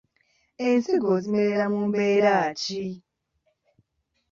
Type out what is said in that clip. Ensigo zimerera mu mbeera ki?